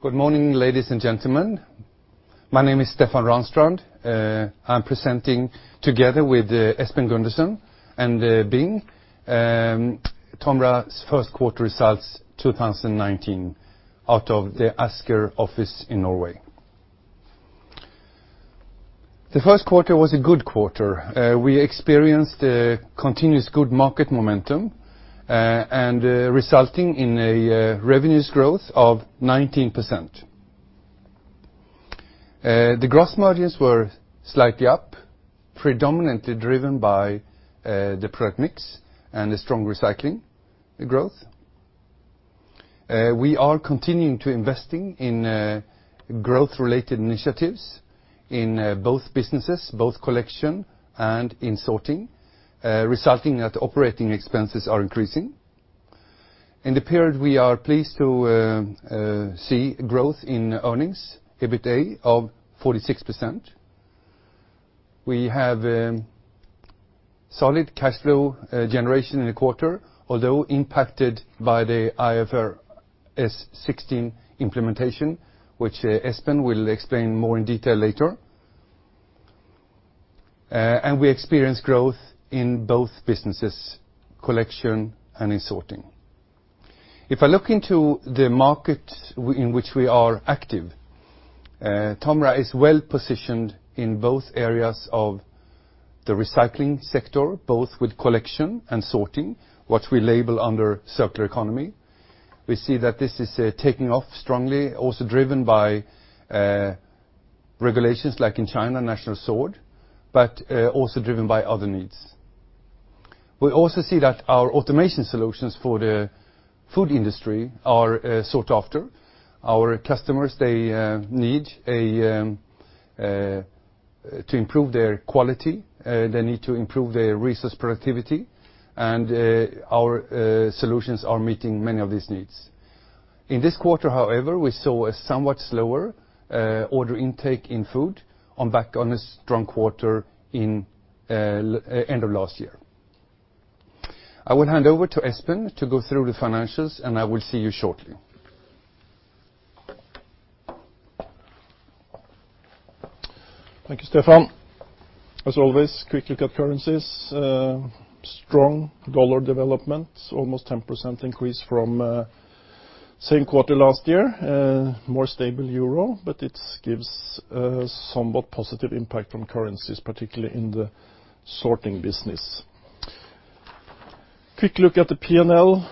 Good morning, ladies and gentlemen. My name is Stefan Ranstrand. I'm presenting together with Espen Gundersen and Bing, Tomra's first quarter results 2019 out of the Asker office in Norway. The first quarter was a good quarter. We experienced a continuous good market momentum, resulting in a revenues growth of 19%. The gross margins were slightly up, predominantly driven by the product mix and the strong recycling growth. We are continuing to investing in growth-related initiatives in both businesses, both collection and in sorting, resulting that operating expenses are increasing. In the period, we are pleased to see growth in earnings, EBITDA of 46%. We have solid cash flow generation in the quarter, although impacted by the IFRS 16 implementation, which Espen will explain more in detail later. We experienced growth in both businesses, collection and in sorting. If I look into the market in which we are active, Tomra is well-positioned in both areas of the recycling sector, both with collection and sorting, what we label under circular economy. We see that this is taking off strongly, also driven by regulations like in China National Sword, but also driven by other needs. We also see that our automation solutions for the food industry are sought after. Our customers, they need to improve their quality, they need to improve their resource productivity, and our solutions are meeting many of these needs. In this quarter, however, we saw a somewhat slower order intake in food on back on a strong quarter in end of last year. I will hand over to Espen to go through the financials, I will see you shortly. Thank you, Stefan. As always, quick look at currencies. Strong dollar development, almost 10% increase from same quarter last year. More stable euro, but it gives a somewhat positive impact from currencies, particularly in the sorting business. Quick look at the P&L.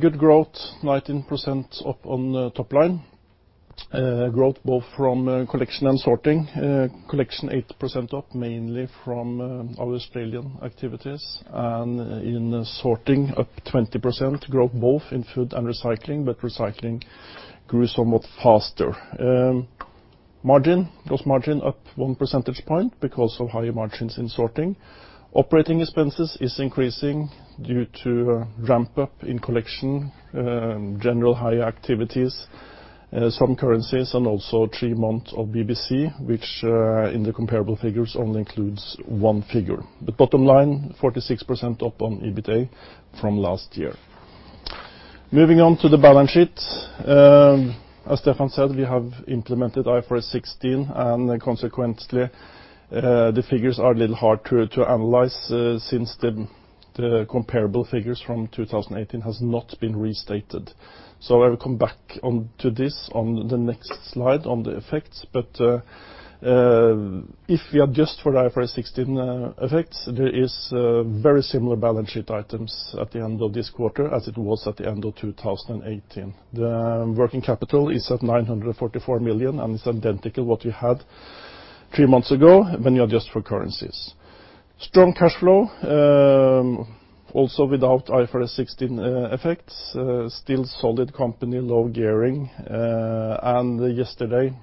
Good growth, 19% up on the top line. Growth both from collection and sorting. Collection, 8% up, mainly from our Australian activities. In sorting, up 20%, growth both in food and recycling, but recycling grew somewhat faster. Margin, gross margin up one percentage point because of higher margins in sorting. Operating expenses is increasing due to ramp up in collection, general higher activities, some currencies, and also three months of BBC, which in the comparable figures only includes one figure. The bottom line, 46% up on EBITDA from last year. Moving on to the balance sheet. As Stefan said, we have implemented IFRS 16. Consequently, the figures are a little hard to analyze since the comparable figures from 2018 has not been restated. I will come back onto this on the next slide on the effects. If we adjust for IFRS 16 effects, there is very similar balance sheet items at the end of this quarter as it was at the end of 2018. The working capital is at 944 million, and it's identical what we had three months ago when you adjust for currencies. Strong cash flow, also without IFRS 16 effects. Still solid company, low gearing. Yesterday,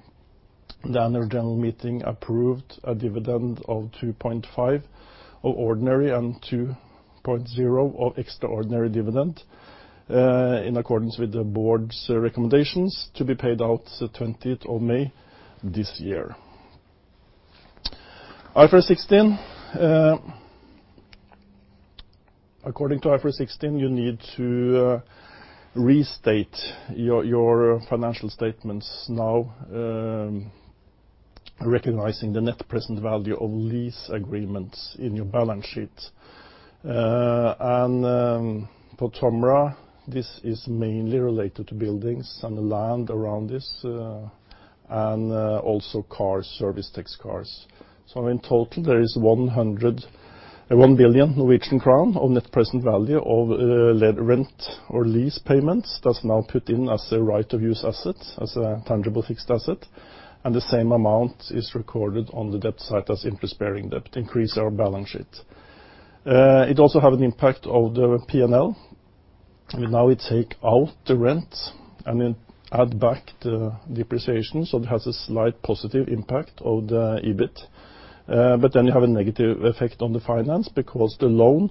the annual general meeting approved a dividend of 2.5 of ordinary and 2.0 of extraordinary dividend, in accordance with the board's recommendations to be paid out the 20th of May this year. IFRS 16. According to IFRS 16, you need to restate your financial statements now, recognizing the net present value of lease agreements in your balance sheet. For Tomra, this is mainly related to buildings and the land around this, and also cars, service tech cars. In total, there is 101 billion Norwegian crown of net present value of rent or lease payments that's now put in as a right-of-use asset, as a tangible fixed asset, and the same amount is recorded on the debt side as interest-bearing debt, increase our balance sheet. It also have an impact of the P&L. Now we take out the rent and then add back the depreciation, so it has a slight positive impact of the EBIT. You have a negative effect on the finance because the loan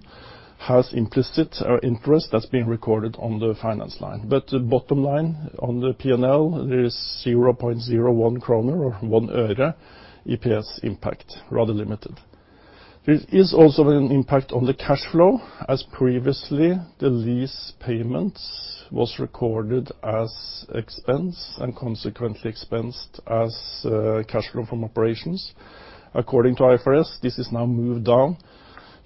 has implicit interest that's being recorded on the finance line. Bottom line on the P&L, there is 0.01 kroner or NOK 0.01 EPS impact, rather limited. There is also an impact on the cash flow, as previously, the lease payments was recorded as expense and consequently expensed as cash flow from operations. According to IFRS, this is now moved down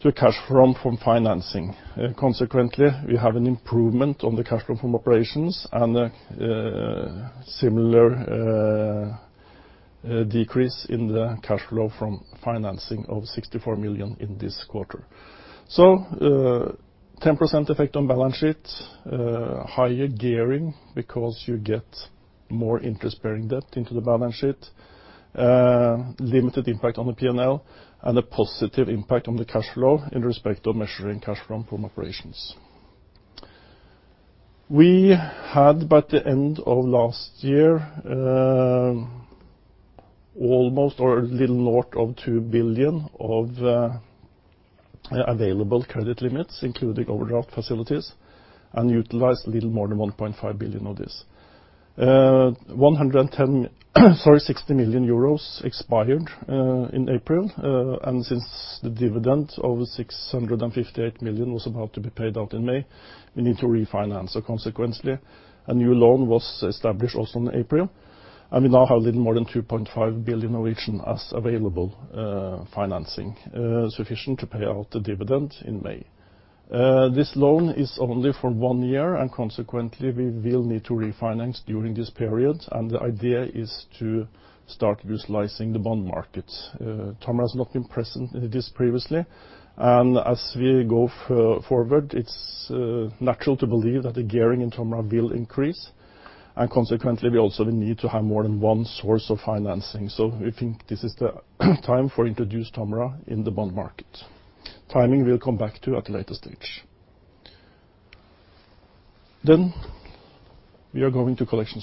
to cash flow from financing. Consequently, we have an improvement on the cash flow from operations and a similar decrease in the cash flow from financing of 64 million in this quarter. 10% effect on balance sheet, higher gearing because you get more interest-bearing debt into the balance sheet, limited impact on the P&L, and a positive impact on the cash flow in respect of measuring cash flow from operations. We had, by the end of last year, almost or a little north of 2 billion of available credit limits, including overdraft facilities, and utilized a little more than 1.5 billion of this. 160 million euros expired in April. Since the dividend of 658 million was about to be paid out in May, we need to refinance. Consequently, a new loan was established also in April, we now have a little more than 2.5 billion as available financing, sufficient to pay out the dividend in May. This loan is only for one year and consequently, we will need to refinance during this period. The idea is to start utilizing the bond market. Tomra has not been present in this previously. As we go forward, it's natural to believe that the gearing in Tomra will increase. Consequently, we also need to have more than one source of financing. We think this is the time for introduce Tomra in the bond market. Timing, we'll come back to at a later stage. We are going to TOMRA Collection.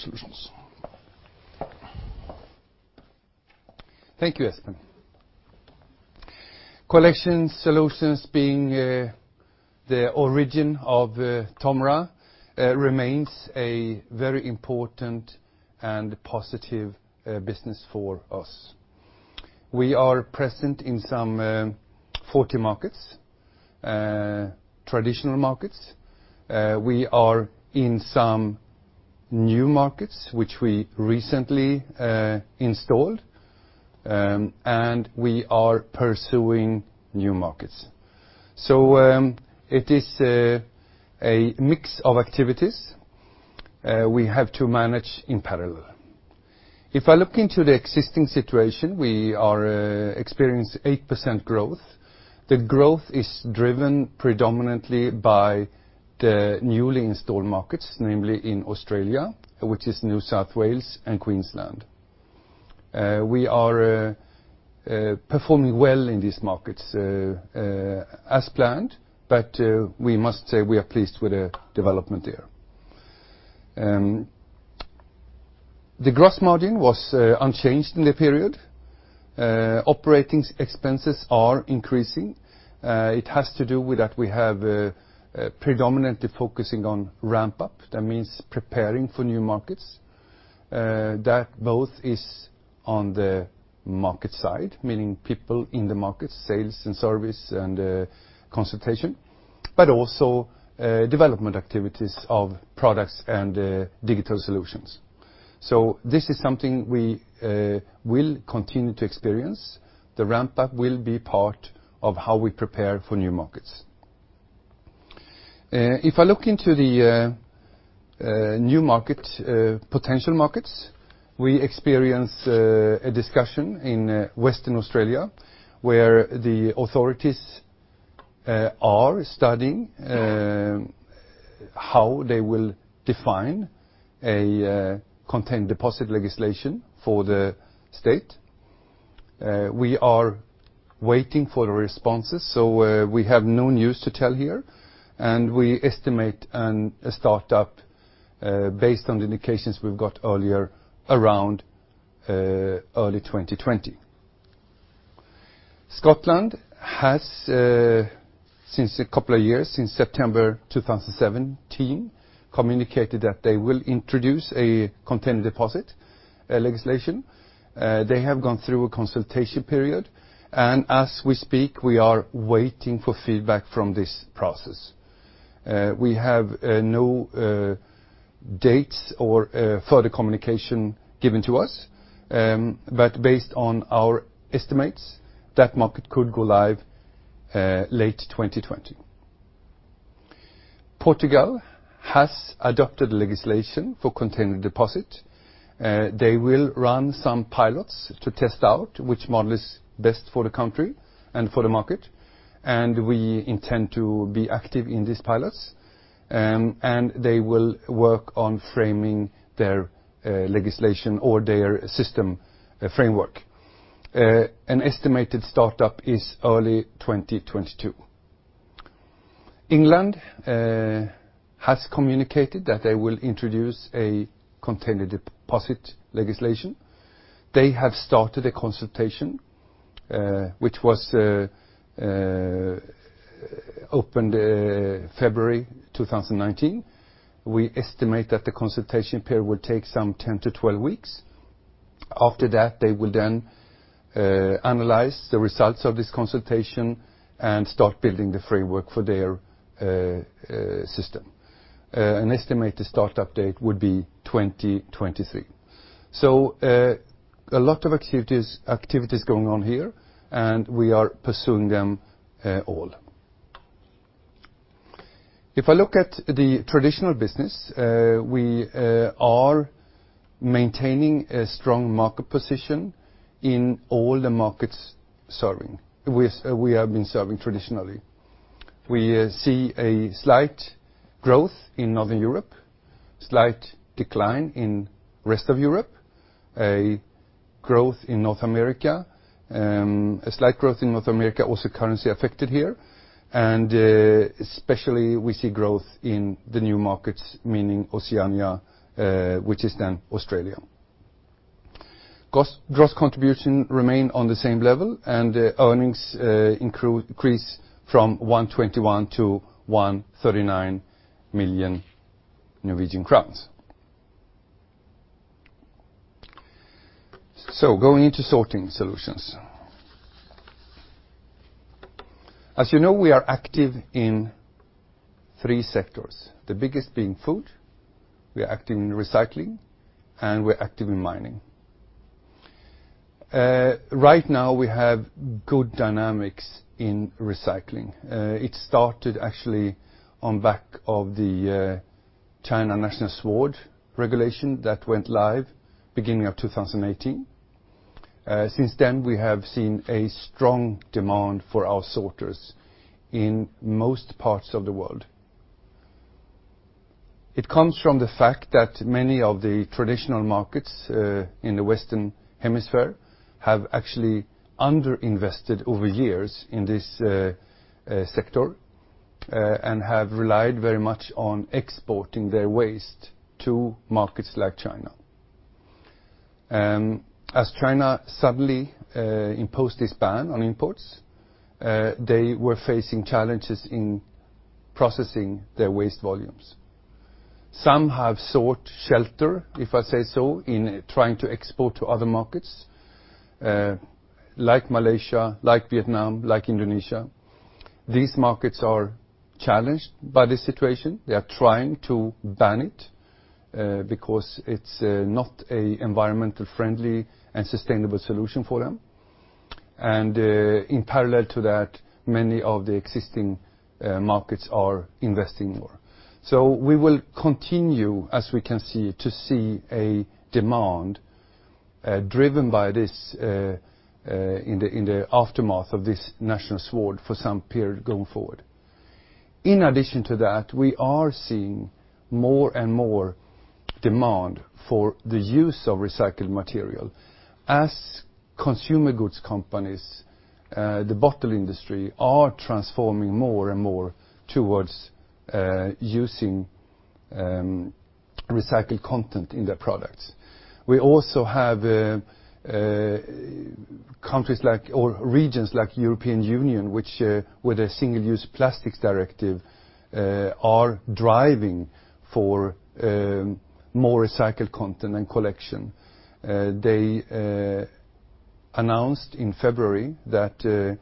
Thank you, Espen. Collection Solutions being the origin of Tomra remains a very important and positive business for us. We are present in some 40 markets, traditional markets. We are in some new markets, which we recently installed. We are pursuing new markets. It is a mix of activities we have to manage in parallel. If I look into the existing situation, we are experience 8% growth. The growth is driven predominantly by the newly installed markets, namely in Australia, which is New South Wales and Queensland. We are performing well in these markets, as planned, but we must say we are pleased with the development there. The gross margin was unchanged in the period. Operating expenses are increasing. It has to do with that we have predominantly focusing on ramp-up. That means preparing for new markets. That both is on the market side, meaning people in the market, sales and service and consultation, but also development activities of products and digital solutions. This is something we will continue to experience. The ramp-up will be part of how we prepare for new markets. If I look into the new potential markets, we experience a discussion in Western Australia, where the authorities are studying how they will define a container deposit legislation for the state. We are waiting for the responses. We have no news to tell here. We estimate a start-up based on the indications we've got earlier around early 2020. Scotland has, since a couple of years, since September 2017, communicated that they will introduce a container deposit legislation. They have gone through a consultation period. As we speak, we are waiting for feedback from this process. We have no dates or further communication given to us. Based on our estimates, that market could go live late 2020. Portugal has adopted legislation for container deposit. They will run some pilots to test out which model is best for the country and for the market. We intend to be active in these pilots. They will work on framing their legislation or their system framework. An estimated start-up is early 2022. England has communicated that they will introduce a container deposit legislation. They have started a consultation, which opened February 2019. We estimate that the consultation period will take some 10 to 12 weeks. After that, they will then analyze the results of this consultation and start building the framework for their system. An estimated start-up date would be 2023. A lot of activities going on here, and we are pursuing them all. If I look at the traditional business, we are maintaining a strong market position in all the markets we have been serving traditionally. We see a slight growth in Northern Europe, slight decline in rest of Europe, a slight growth in North America, also currency affected here, and especially, we see growth in the new markets, meaning Oceania, which is then Australia. Gross contribution remained on the same level, earnings increase from 121 million to 139 million Norwegian crowns. Going into sorting solutions. As you know, we are active in three sectors, the biggest being food. We are active in recycling, and we're active in mining. Right now, we have good dynamics in recycling. It started actually on back of the China National Sword regulation that went live beginning of 2018. Since then, we have seen a strong demand for our sorters in most parts of the world. It comes from the fact that many of the traditional markets in the Western Hemisphere have actually under-invested over years in this sector and have relied very much on exporting their waste to markets like China. As China suddenly imposed this ban on imports, they were facing challenges in processing their waste volumes. Some have sought shelter, if I say so, in trying to export to other markets like Malaysia, like Vietnam, like Indonesia. These markets are challenged by this situation. They are trying to ban it because it's not an environmentally friendly and sustainable solution for them. In parallel to that, many of the existing markets are investing more. We will continue, as we can see, to see a demand driven by this in the aftermath of this National Sword for some period going forward. In addition to that, we are seeing more and more demand for the use of recycled material as consumer goods companies, the bottle industry, are transforming more and more towards using recycled content in their products. We also have countries or regions like European Union, which with their Single-Use Plastics Directive are driving for more recycled content and collection. They announced in February in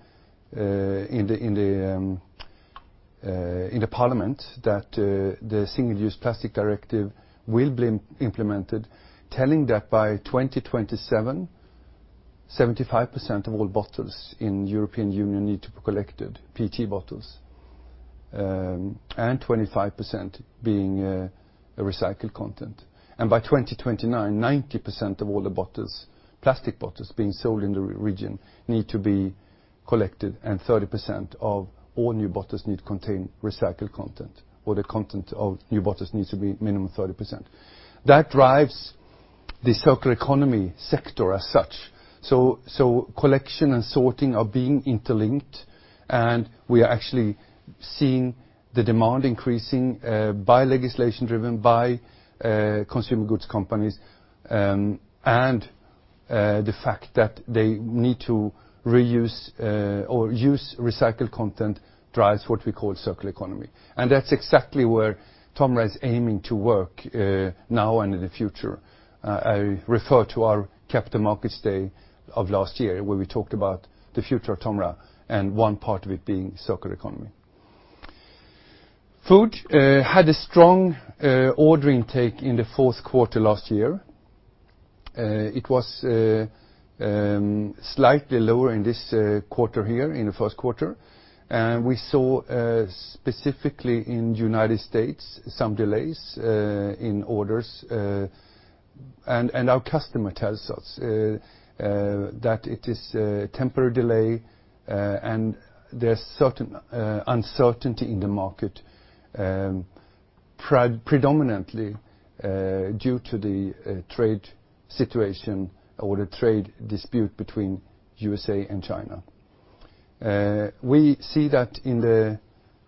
the parliament that the Single-Use Plastics Directive will be implemented, telling that by 2027, 75% of all bottles in European Union need to be collected, PET bottles, and 25% being a recycled content. By 2029, 90% of all the plastic bottles being sold in the region need to be collected, and 30% of all new bottles need to contain recycled content, or the content of new bottles needs to be minimum 30%. That drives the circular economy sector as such. Collection and sorting are being interlinked, and we are actually seeing the demand increasing by legislation driven by consumer goods companies, and the fact that they need to reuse or use recycled content drives what we call circular economy. That's exactly where Tomra is aiming to work now and in the future. I refer to our capital markets day of last year where we talked about the future of Tomra and one part of it being circular economy. Food had a strong order intake in the fourth quarter last year. It was slightly lower in this quarter here, in the first quarter. We saw specifically in United States some delays in orders, and our customer tells us that it is a temporary delay, and there's uncertainty in the market predominantly due to the trade situation or the trade dispute between U.S. and China. We see that in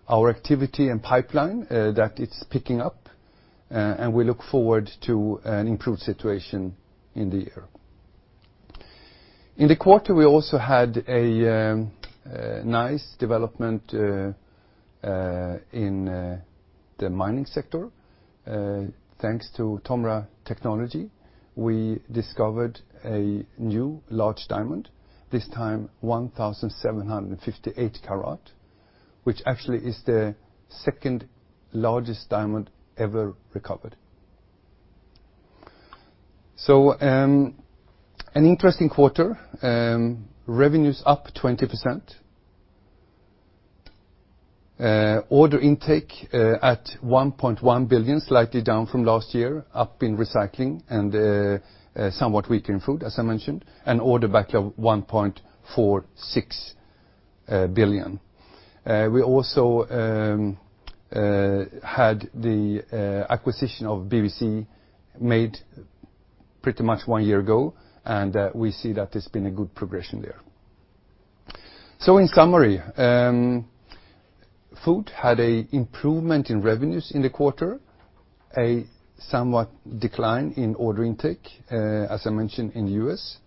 our activity and pipeline that it's picking up, and we look forward to an improved situation in the year. In the quarter, we also had a nice development in the mining sector. Thanks to Tomra technology, we discovered a new large diamond, this time 1,758-carat, which actually is the second largest diamond ever recovered. So, an interesting quarter. Revenues up 20%. Order intake at 1.1 billion, slightly down from last year, up in Recycling and somewhat weaker in Food, as I mentioned, and order backlog 1.46 billion. We also had the acquisition of BBC made pretty much one year ago, and we see that there's been a good progression there. In summary, Food had an improvement in revenues in the quarter, a somewhat decline in order intake, as I mentioned, in the U.S.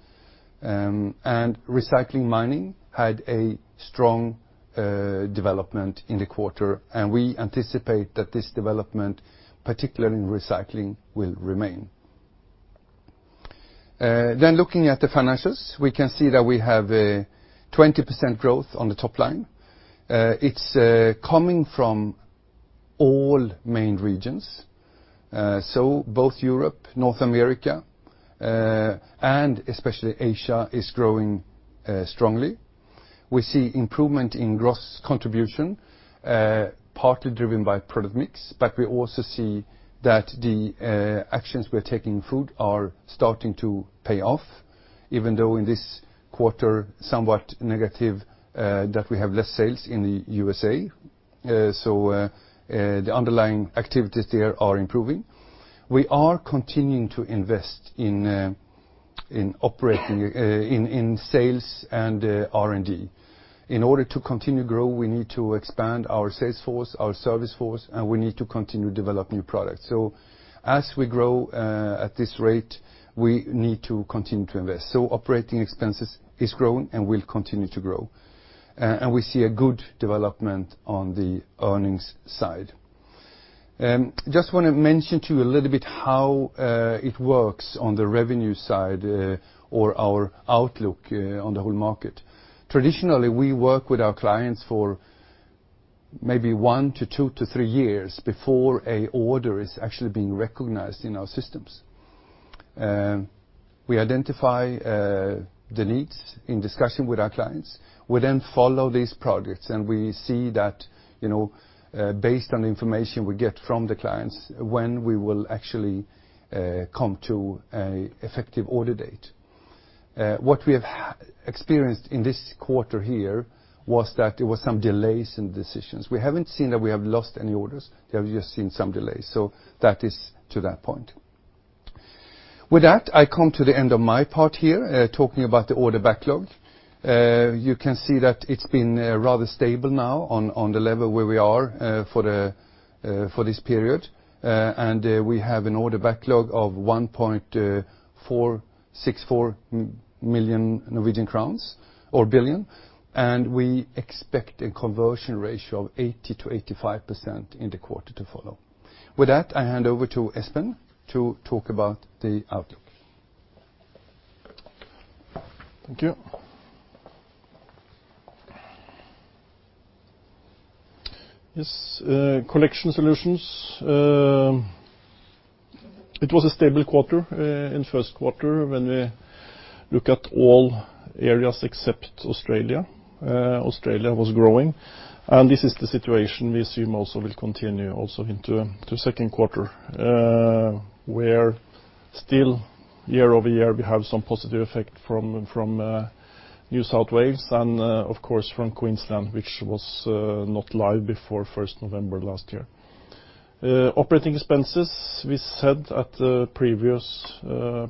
Recycling and Mining had a strong development in the quarter, and we anticipate that this development, particularly in Recycling, will remain. Looking at the financials, we can see that we have 20% growth on the top line. It's coming from all main regions, so both Europe, North America, and especially Asia, is growing strongly. We see improvement in gross contribution, partly driven by product mix, but we also see that the actions we're taking in Food are starting to pay off, even though in this quarter, somewhat negative that we have less sales in the U.S. The underlying activities there are improving. We are continuing to invest in sales and R&D. In order to continue growing, we need to expand our sales force, our service force, and we need to continue to develop new products. As we grow at this rate, we need to continue to invest. Operating expenses has grown and will continue to grow, and we see a good development on the earnings side. Just want to mention to you a little bit how it works on the revenue side, or our outlook on the whole market. Traditionally, we work with our clients for maybe one to two to three years before an order is actually being recognized in our systems. We identify the needs in discussion with our clients. We follow these projects, and we see that based on the information we get from the clients, when we will actually come to an effective order date. What we have experienced in this quarter here was that there was some delays in decisions. We haven't seen that we have lost any orders. We have just seen some delays. That is to that point. With that, I come to the end of my part here, talking about the order backlog. You can see that it's been rather stable now on the level where we are for this period. We have an order backlog of 1.464 million Norwegian crowns, or billion, and we expect a conversion ratio of 80%-85% in the quarter to follow. With that, I hand over to Espen to talk about the outlook. Thank you. Yes, TOMRA Collection. It was a stable quarter in first quarter when we look at all areas except Australia. Australia was growing, and this is the situation we assume also will continue also into second quarter, where still year-over-year, we have some positive effect from New South Wales and of course from Queensland, which was not live before 1st November last year. Operating expenses, we said at the previous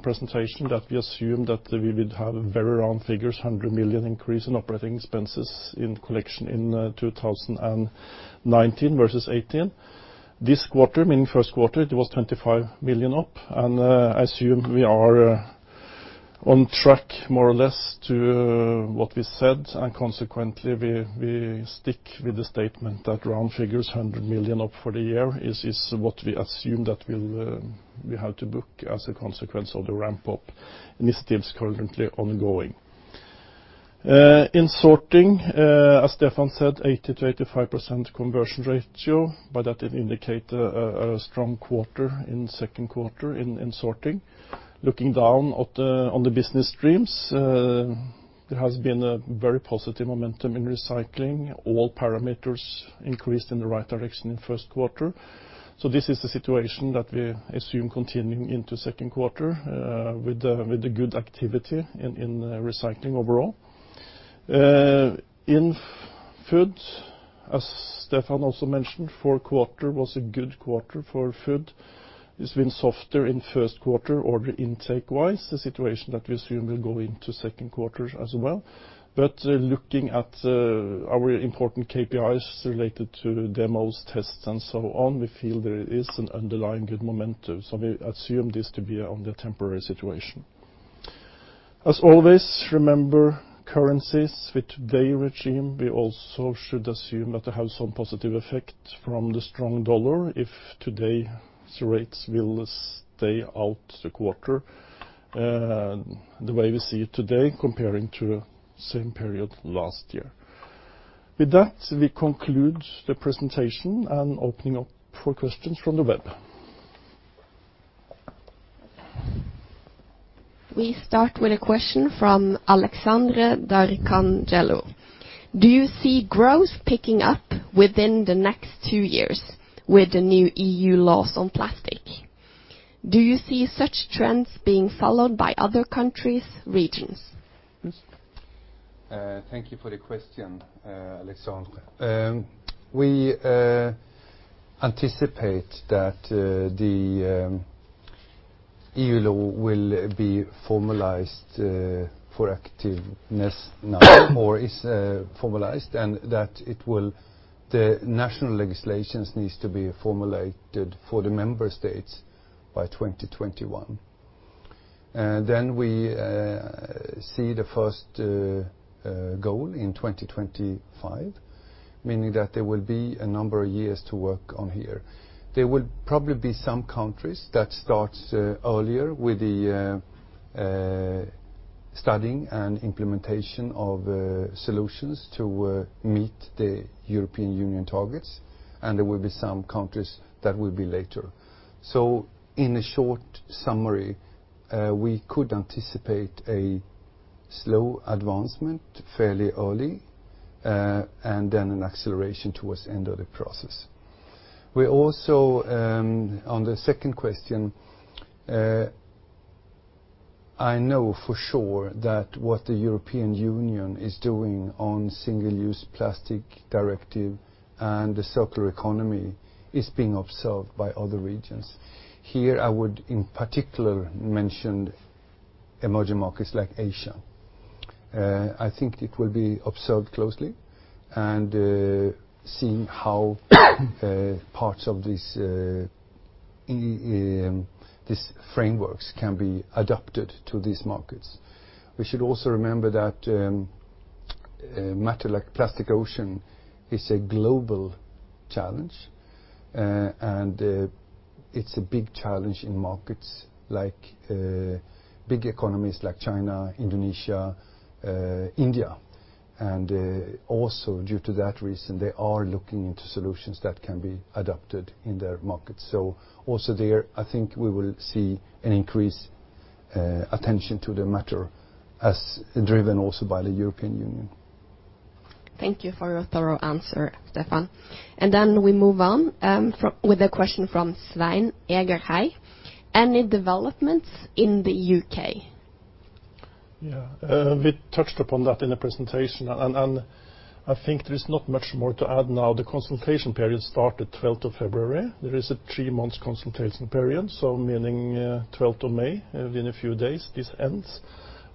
presentation that we assumed that we would have very round figures, 100 million increase in operating expenses in Collection in 2019 versus 2018. This quarter, meaning first quarter, it was 25 million up, I assume we are on track more or less to what we said, consequently, we stick with the statement that round figures, 100 million up for the year, is what we assume that we'll have to book as a consequence of the ramp-up initiatives currently ongoing. In Sorting, as Stefan said, 80%-85% conversion ratio, by that it indicate a strong quarter in second quarter in Sorting. Looking down on the business streams, there has been a very positive momentum in Recycling. All parameters increased in the right direction in first quarter. This is the situation that we assume continuing into second quarter with the good activity in Recycling overall. In Food, as Stefan also mentioned, fourth quarter was a good quarter for Food. It's been softer in first quarter, order intake wise, a situation that we assume will go into second quarter as well. Looking at our important KPIs related to demos, tests, and so on, we feel there is an underlying good momentum. We assume this to be only a temporary situation. As always, remember currencies with today regime, we also should assume that they have some positive effect from the strong dollar if today's rates will stay out the quarter, the way we see it today comparing to same period last year. With that, we conclude the presentation and opening up for questions from the web. We start with a question from Alexandre D'Arcangelo. Do you see growth picking up within the next two years with the new EU laws on plastic? Do you see such trends being followed by other countries/regions? Thank you for the question, Alexandre. We anticipate that the EU law will be formalized for activeness now, or is formalized, that the national legislations needs to be formulated for the member states by 2021. We see the first goal in 2025, meaning that there will be a number of years to work on here. There will probably be some countries that starts earlier with the studying and implementation of solutions to meet the European Union targets, there will be some countries that will be later. In a short summary, we could anticipate a slow advancement fairly early, then an acceleration towards end of the process. We also, on the second question, I know for sure that what the European Union is doing on Single-Use Plastics Directive and the circular economy is being observed by other regions. Here I would, in particular, mention emerging markets like Asia. I think it will be observed closely and seeing how parts of these frameworks can be adapted to these markets. We should also remember that matter like plastic ocean is a global challenge, and it's a big challenge in markets like big economies like China, Indonesia, India, and also due to that reason, they are looking into solutions that can be adapted in their market. Also there, I think we will see an increased attention to the matter as driven also by the European Union. Thank you for your thorough answer, Stefan. Then we move on with a question from Svein Egerhaug. Any developments in the U.K.? We touched upon that in the presentation, and I think there is not much more to add now. The consultation period started 12th of February. There is a three-month consultation period, so meaning 12th of May, in a few days, this ends.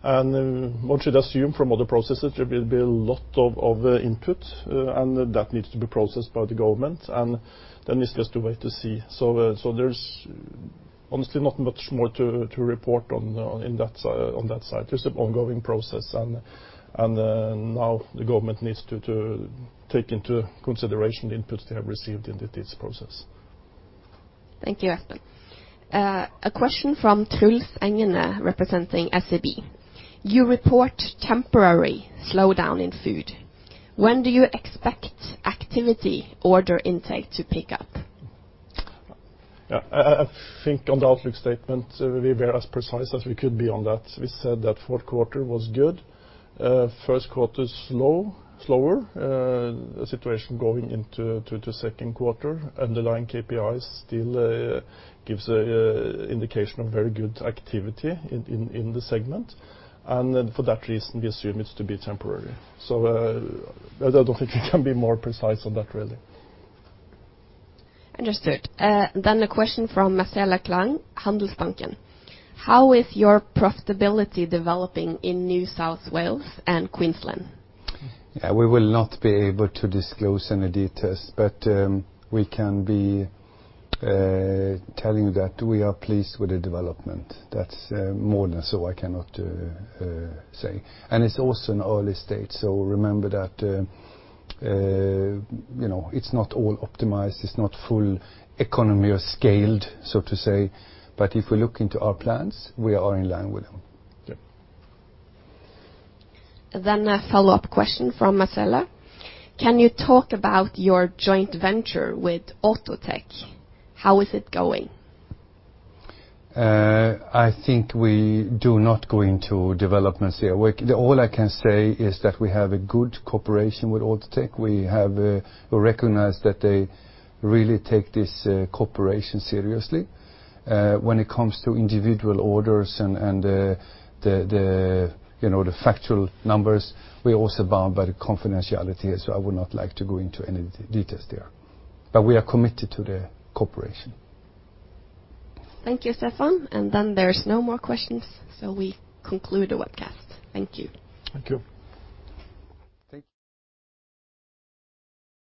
One should assume from other processes, there will be a lot of input, and that needs to be processed by the government, and then it's just wait to see. There's honestly not much more to report on that side. There's an ongoing process, and now the government needs to take into consideration the inputs they have received into this process. Thank you, Espen. A question from Truls Engene, representing SEB. You report temporary slowdown in food. When do you expect activity order intake to pick up? Yeah. I think on the outlook statement, we were as precise as we could be on that. We said that fourth quarter was good. First quarter is slower. A situation going into second quarter, underlying KPIs still gives an indication of very good activity in the segment. For that reason, we assume it's to be temporary. I don't think we can be more precise on that, really. Understood. A question from Marcela Klang, Handelsbanken. How is your profitability developing in New South Wales and Queensland? We will not be able to disclose any details, but we can be telling you that we are pleased with the development. That's more than so I cannot say. It's also an early stage, so remember that it's not all optimized, it's not full economy or scaled, so to say. If we look into our plans, we are in line with them. Yeah. A follow-up question from Marcela. Can you talk about your joint venture with Outotec? How is it going? I think we do not go into developments here. All I can say is that we have a good cooperation with Outotec. We recognize that they really take this cooperation seriously. When it comes to individual orders and the factual numbers, we are also bound by the confidentiality. I would not like to go into any details there. We are committed to the cooperation. Thank you, Stefan. There's no more questions. We conclude the webcast. Thank you. Thank you. Thank you.